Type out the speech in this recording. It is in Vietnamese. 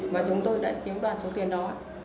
và chúng tôi đã chiếm đoàn số tiền đó